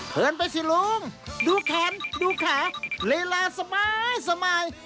เผินไปสิลุงดูขาดูขาเรียราสบายสบาย